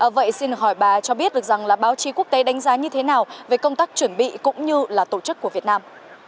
vậy xin hỏi bà cho biết được rằng là báo chí quốc tế đánh giá như thế nào về công tác chuẩn bị cũng như là tổ chức của việt nam